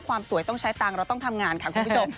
ความสวยต้องใช้ตังค์เราต้องทำงานค่ะคุณผู้ชม